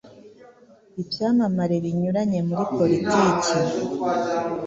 ibyamamare binyuranye muri Politiki